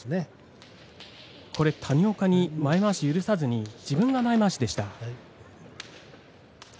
谷岡に前まわしを許さず自分が前まわしでした。